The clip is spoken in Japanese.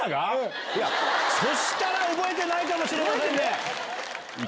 そしたら覚えてないかもしれませんね。